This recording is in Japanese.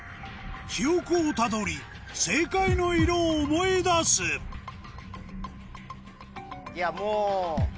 記憶をたどり正解の色を思い出すいやもう。